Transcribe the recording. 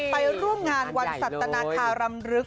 ไปร่วมงานวันสัตนาคารำลึก